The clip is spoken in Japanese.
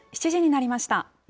７時になりました。